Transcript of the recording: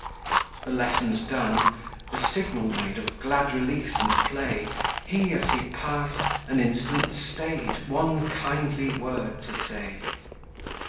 The lessons done; the signal made Of glad release and play, He, as he passed, an instant stay'd, One kindly word to say.